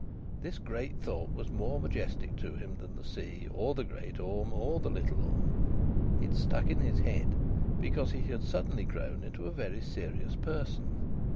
This great thought was more majestic to him than the sea, or the Great Orme, or the Little Orme. It stuck in his head because he had suddenly grown into a very serious person.